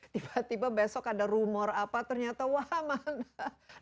tiba tiba besok ada rumor apa ternyata wah mana